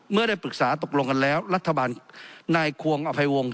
เมื่อได้ปรึกษาตกลงกันแล้วรัฐบาลนายควงอภัยวงศ